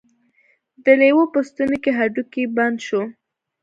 د لیوه په ستوني کې هډوکی بند شو.